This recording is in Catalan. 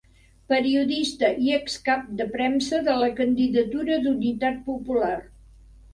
Periodista i excap de premsa de la Candidatura d'Unitat Popular.